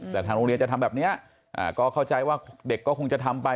แต่ทางโรงเรียนจะทำแบบนี้ก็เข้าใจว่าเด็กก็คงจะทำไป